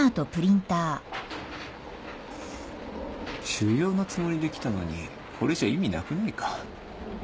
修業のつもりで来たのにこれじゃ意味なくないか？